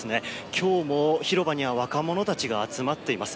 今日も広場には若者たちが集まっています。